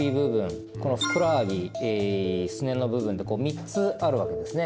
このふくらはぎすねの部分って３つあるわけですね。